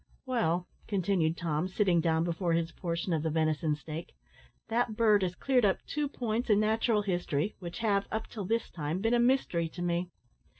"Well," continued Tom, sitting down before his portion of the venison steak, "that bird has cleared up two points in natural history, which have, up till this time, been a mystery to me.